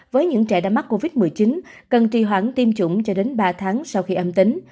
với những trẻ đã mắc covid một mươi chín cần trì hoãn tiêm chủng cho đến ba tháng sau khi âm tính